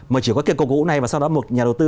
mà chỉ có kiện cầu cũ này và sau đó một nhà đầu tư